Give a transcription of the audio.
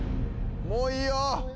もういいよ！